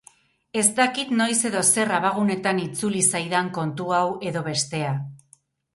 Ez dakit noiz edo zer abagunetan itzuli zaidan kontu hau edo bestea.